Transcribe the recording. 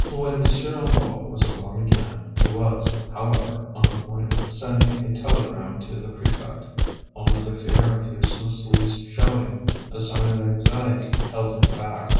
When M. Hennebeau was alone again he was, however, on the point of sending a telegram to the prefect. Only the fear of uselessly showing a sign of anxiety held him back.